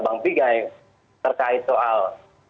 bang ufi jai terkait soal